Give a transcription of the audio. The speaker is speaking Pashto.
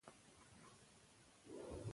افغانستان کې ځنګلونه د چاپېریال د تغیر نښه ده.